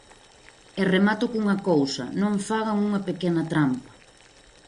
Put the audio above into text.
E remato cunha cousa, non fagan unha pequena trampa.